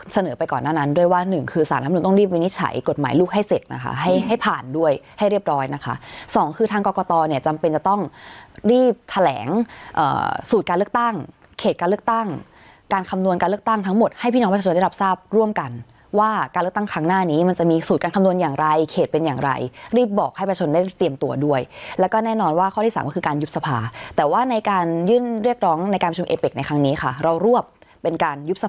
เสนอไปก่อนหน้านั้นด้วยว่าหนึ่งคือสารรับนูนต้องรีบวินิจฉัยกฎหมายลูกให้เสร็จนะคะให้ให้ผ่านด้วยให้เรียบร้อยนะคะสองคือทางกรกตเนี่ยจำเป็นจะต้องรีบแถลงอ่าสูตรการเลือกตั้งเขตการเลือกตั้งการคำนวณการเลือกตั้งทั้งหมดให้พี่น้องผู้ชมได้รับทราบร่วมกันว่าการเลือกตั้งครั้งหน้านี้มันจะมีสูตรการค